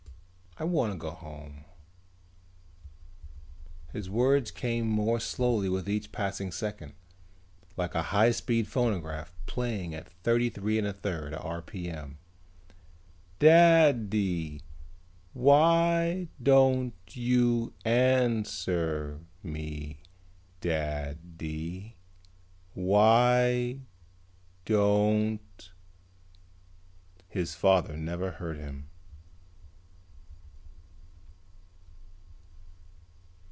I wan na go home " His words came more slowly with each passing second, like a high speed phonograph playing at thirty three and a third r.p.m. "Dad dy why don't you an swer me Da ddy why don't " His father never heard him.